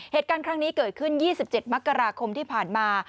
เหตุการณ์ครั้งนี้เกิดขึ้น๒๗มกราคมที่ผ่านมา